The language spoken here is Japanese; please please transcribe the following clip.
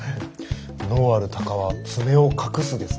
「能ある鷹は爪を隠す」ですね。